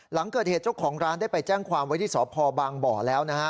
หลังเกิดเหตุเจ้าของร้านได้ไปแจ้งความไว้ที่สพบางบ่อแล้วนะฮะ